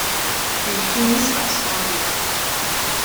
Ils finissent par se marier.